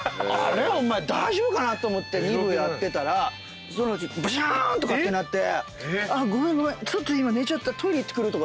お前大丈夫かなと思って２部やってたらそのうちブシューン！とかってなって。